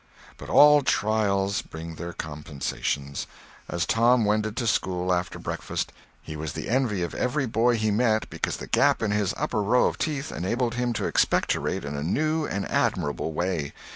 But all trials bring their compensations. As Tom wended to school after breakfast, he was the envy of every boy he met because the gap in his upper row of teeth enabled him to expectorate in a new and admirable way.